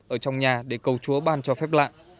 ở trong nhà để cầu chúa ban cho phép lạ